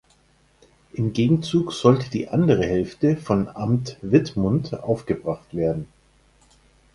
Im Gegenzug sollte die andere Hälfte vom Amt Wittmund aufgebracht werden.